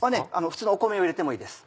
普通の米を入れてもいいです